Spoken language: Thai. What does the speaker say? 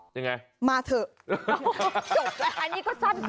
ยังไงมาเถอะจบแล้วอันนี้ก็สั้นไป